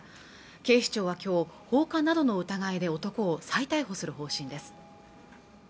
警視庁は今日放火などの疑いで男を再逮捕する方針です